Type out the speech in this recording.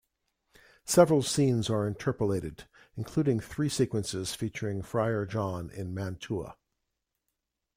Several scenes are interpolated, including three sequences featuring Friar John in Mantua.